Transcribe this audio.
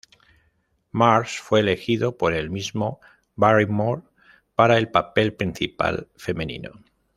Marsh fue elegida por el mismo Barrymore para el papel principal femenino.